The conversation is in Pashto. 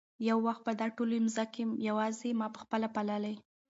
یو وخت به دا ټولې مځکې یوازې ما په خپله پاللې.